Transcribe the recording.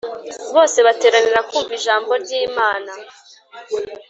bose bateranira kumva ijambo ry Imana